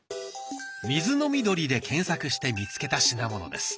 「水飲み鳥」で検索して見つけた品物です。